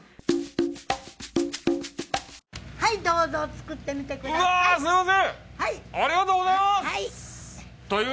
はいどうぞ作ってみてください。